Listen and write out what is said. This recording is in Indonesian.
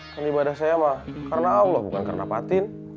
kan ibadah saya mah karena allah bukan karena patin